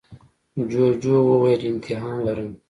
جوجو وویل امتحان لرم.